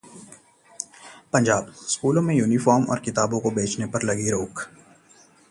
पंजाब: स्कूलों में यूनिफॉर्म और किताबों को बेचने पर लगी रोक